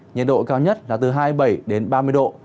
nhiệt độ cao nhất là hai mươi bảy ba mươi độ